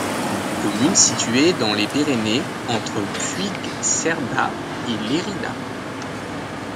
Commune située dans les Pyrénées entre Puigcerdà et Lérida.